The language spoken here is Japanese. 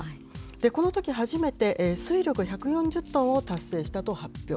このとき初めて、推力１４０トンを達成したと発表。